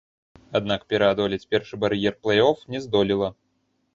Аднак пераадолець першы бар'ер плэй-оф не здолела.